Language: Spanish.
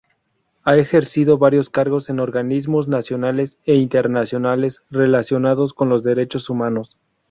Ha ejercido varios cargos en organismos nacionales e internacionales relacionados con los derechos humanos.